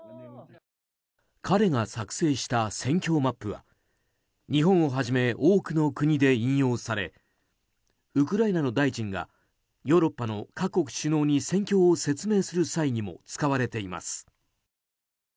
彼が作成した戦況マップは日本をはじめ多くの国で引用されウクライナの大臣がヨーロッパの各国首脳に戦況を説明する際にも使われています。